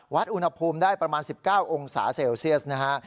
อุณหภูมิได้ประมาณ๑๙องศาเซลเซียสนะฮะ